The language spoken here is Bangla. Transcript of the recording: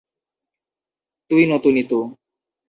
তুই নতুন ইতু।